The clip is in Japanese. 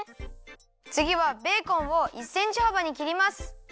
つぎはベーコンを１センチはばにきります。